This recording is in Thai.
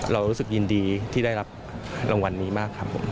เรารู้สึกยินดีที่ได้รับรางวัลนี้มากครับผม